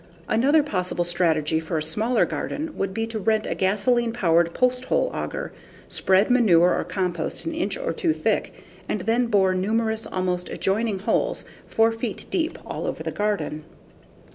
Another possible strategy for a smaller garden would be to rent a gasoline powered posthole auger, spread manure or compost an inch or two thick, and then bore numerous, almost adjoining holes 4 feet deep all over the garden.